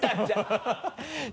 ハハハ